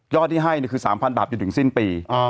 ย่อที่ให้เนี่ยคือ๓๐๐๐บาทอยู่ถึงสิ้นปี